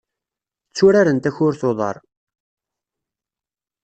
Tturaren takurt n uḍar.